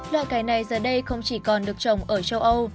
loại cây này giờ đây không chỉ còn được trồng ở châu âu